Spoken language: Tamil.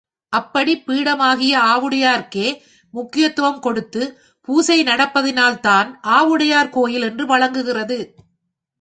அப்படிப் பீடமாகிய ஆவுடையார்க்கே முக்கியத்துவம் கொடுத்து, பூசை நடப்பதினால் தான் ஆவுடையார் கோயில் என்று வழங்குகிறது.